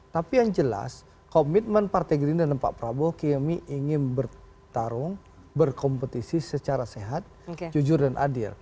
tapi yang jelas komitmen partai gerindra dan pak prabowo kami ingin bertarung berkompetisi secara sehat jujur dan adil